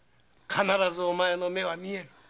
必ずお前の目は見える。